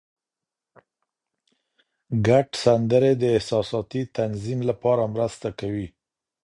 ګډ سندرې د احساساتي تنظیم لپاره مرسته کوي.